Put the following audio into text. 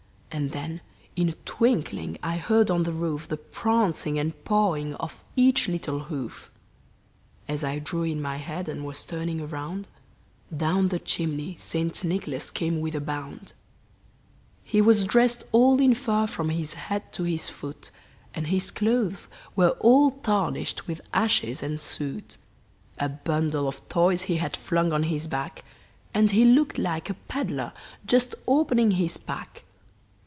And then, in a twinkling, I heard on the roof The prancing and pawing of each little hoof. As I drew in my head and was turning around, Down the chimney St. Nicholas came with a bound; He was dressed all in fur from his head to his foot, And his clothes were all tarnished with ashes and soot; A bundle of toys he had flung on his back, And he looked like a peddler just opening his pack.